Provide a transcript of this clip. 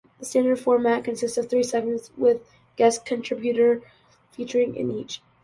The standard format consists of three segments, with a guest contributor featuring in each.